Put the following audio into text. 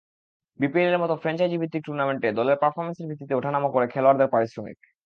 বিপিএলের মতো ফ্র্যাঞ্চাইজিভিত্তিক টুর্নামেন্টে দলের পারফরম্যান্সের ভিত্তিতে ওঠা নামা করে খেলোয়াড়দের পারিশ্রমিক।